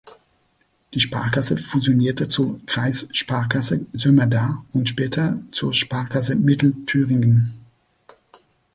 Die Sparkasse fusionierte zur Kreissparkasse Sömmerda und später zur Sparkasse Mittelthüringen.